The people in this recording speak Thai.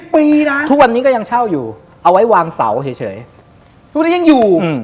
ปีนะทุกวันนี้ก็ยังเช่าอยู่เอาไว้วางเสาเฉยทุกวันนี้ยังอยู่